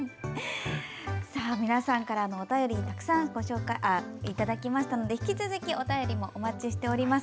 皆さんからのお便りたくさんいただきましたので引き続きお便りもお待ちしています。